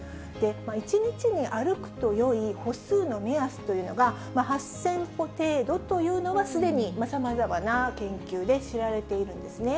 １日に歩くとよい歩数の目安というのが、８０００歩程度というのは、すでにさまざまな研究で知られているんですね。